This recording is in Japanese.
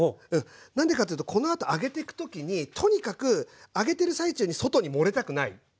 何でかというとこのあと揚げてく時にとにかく揚げてる最中に外に漏れたくない。